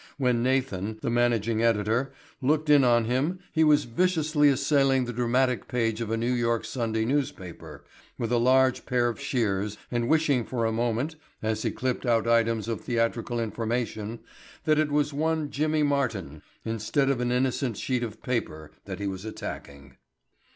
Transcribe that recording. When Nathan, the managing editor, looked in on him he was viciously assailing the dramatic page of a New York Sunday newspaper with a large pair of shears and wishing for a moment, as he clipped out items of theatrical information, that it was one Jimmy Martin instead of an innocent sheet of paper that he was attacking.